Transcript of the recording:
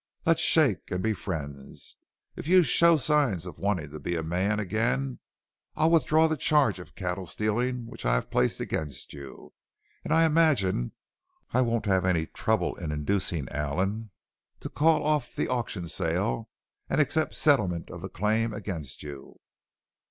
Let's shake and be friends. If you show signs of wanting to be a man again I'll withdraw the charge of cattle stealing which I have placed against you, and I imagine I won't have any trouble in inducing Allen to call off that auction sale and accept settlement of the claim against you."